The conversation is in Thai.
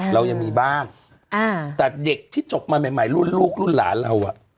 เรายังมีบ้านแต่เด็กที่จบมาใหม่รุ่นลูกรุ่นหลานเราอ่ะ